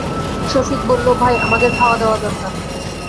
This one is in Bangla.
সফিক বলল, ভাই, আমাদের খাওয়াদাওয়া দরকার।